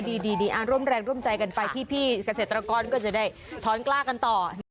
ดีร่วมแรงร่วมใจกันไปพี่เกษตรกรก็จะได้ท้อนกล้ากันต่อ